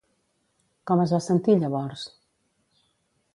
Com es va sentir llavors?